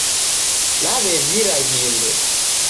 Naw'ezira ghimbe